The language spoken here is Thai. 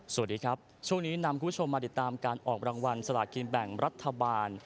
สวัสดีครับช่วงนี้นำคุณผู้ชมมาติดตามการออกรางวัลสลากินแบ่งรัฐบาล